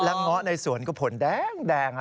แล้วเงาะในสวนก็ผลแดง